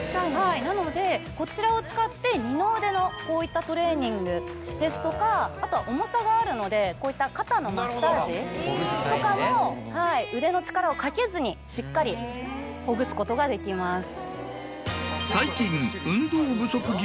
なのでこちらを使って二の腕のこういったトレーニングですとかあとは重さがあるのでこういった肩のマッサージとかも。腕の力をかけずにしっかりほぐすことができます。